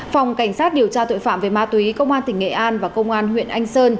phòng cảnh sát điều tra tội phạm về ma túy công an tỉnh nghệ an và công an huyện anh sơn